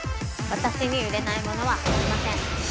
私に売れないものはありません。